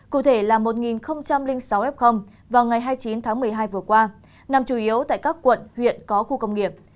cụ thể là một sáu f vào ngày hai mươi chín tháng một mươi hai vừa qua nằm chủ yếu tại các quận huyện có khu công nghiệp